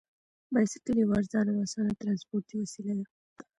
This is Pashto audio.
بایسکل یوه ارزانه او اسانه ترانسپورتي وسیله ده.